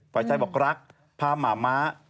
ฝ่ายชายบอกรักพาหมาม้า